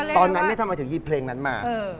ตอนนั้นเนี่ยเธอมาถึงยีบเพลงนั้นมา